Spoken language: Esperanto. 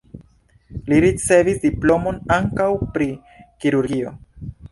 Li ricevis diplomon ankaŭ pri kirurgio.